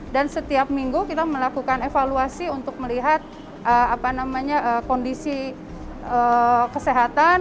dan setiap minggu kita melakukan evaluasi untuk melihat kondisi kesehatan